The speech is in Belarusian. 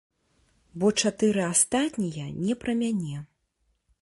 Бо чатыры астатнія не пра мяне.